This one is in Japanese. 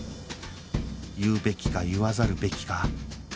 言うべきか言わざるべきか